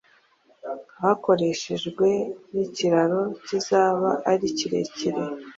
hakoreshejwe n’ikiraro kizaba ari kirekire